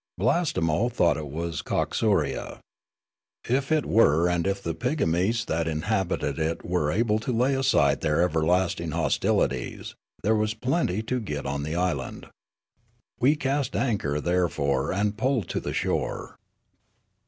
Blastemo thought it was Coxuria. If it were and if the pigmies that inhabited it were able to lay aside their everlasting hostilities, there was plentj to get on the island. We cast anchor therefore and pulled to the shore.